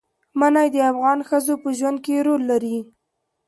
منی د افغان ښځو په ژوند کې رول لري.